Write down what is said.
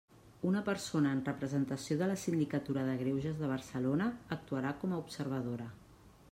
Una persona en representació de la Sindicatura de Greuges de Barcelona actuarà com a observadora.